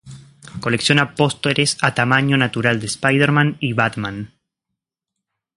Colecciona pósteres a tamaño natural de Spider-Man y Batman.